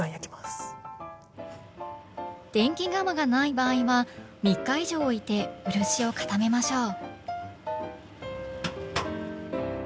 電気釜がない場合は３日以上おいて漆を固めましょう。